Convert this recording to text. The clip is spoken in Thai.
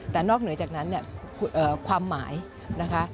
แต่นอกเหนือจากนั้นเนี่ยความหมายนะคะ